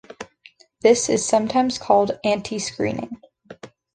This is sometimes called "antiscreening".